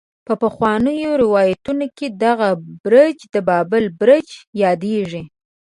په پخوانو روايتونو کې دغه برج د بابل برج يادېږي.